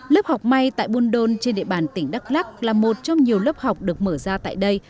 lớp học may tại buôn đôn trên địa bàn tỉnh đắk lắc là một trong nhiều lớp học được mở ra tại đây